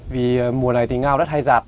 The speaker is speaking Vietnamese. vì mùa này thì ngao rất hay giạt